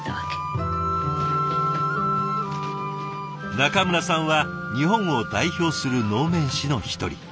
中村さんは日本を代表する能面師の一人。